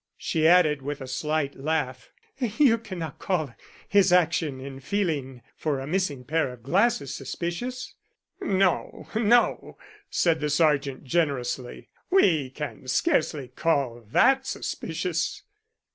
She added with a slight laugh: "You cannot call his action in feeling for a missing pair of glasses suspicious?" "No, no," said the sergeant generously. "We can scarcely call that suspicious."